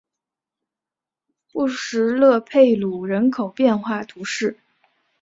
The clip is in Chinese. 罗什勒佩鲁人口变化图示